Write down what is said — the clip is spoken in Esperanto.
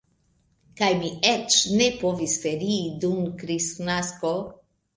Kaj mi eĉ ne povis ferii dum Kristnasko.